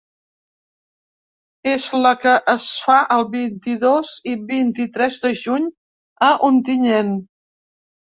És la que es fa el vint-i-dos i vint-i-tres de juny a Ontinyent.